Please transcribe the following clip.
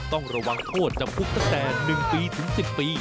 ต้องระวังโทษจำคุกตั้งแต่๑ปีถึง๑๐ปี